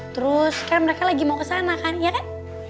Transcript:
terus kan mereka lagi mau kesana kan iya kan